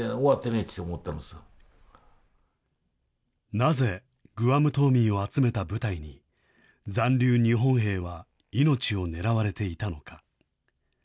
なぜグアム島民を集めた部隊に、残留日本兵は命を狙われていたのか。